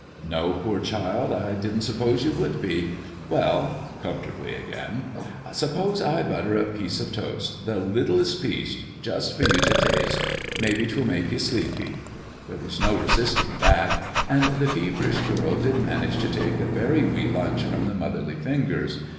"No, poor child, I didn't suppose you would be. Well" (comfortably again), "suppose I butter a piece of toast, the littlest piece, just for you to taste. Maybe 't will make ye sleepy." There was no resisting that, and the feverish girl did manage to take a very wee lunch from the motherly fingers.